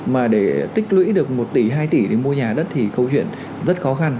mà để tích lũy được một tỷ hai tỷ để mua nhà đất thì câu chuyện rất khó khăn